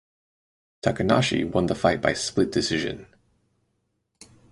Takanashi won the fight by split decision.